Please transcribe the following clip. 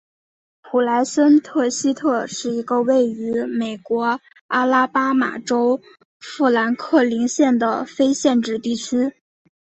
普莱森特西特是一个位于美国阿拉巴马州富兰克林县的非建制地区。